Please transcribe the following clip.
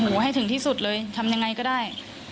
อ๋อหูให้ถึงที่สุดเลยทำอย่างไรก็ได้